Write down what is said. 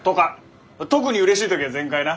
特にうれしい時は全開な。